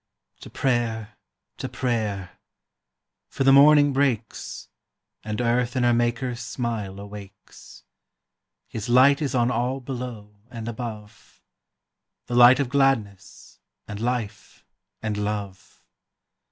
To prayer, to prayer; for the morning breaks, And earth in her Maker's smile awakes. His light is on all below and above, The light of gladness, and life, and love.